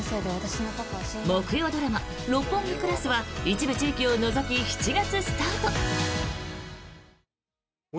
木曜ドラマ「六本木クラス」は一部地域を除き、７月スタート！